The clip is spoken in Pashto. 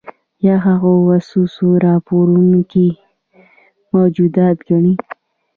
یا هغوی وسوسه راپاروونکي موجودات ګڼي.